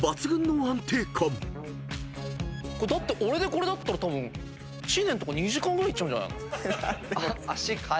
俺でこれだったら知念とか２時間ぐらいいっちゃうんじゃないの。